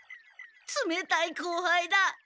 つめたい後輩だ。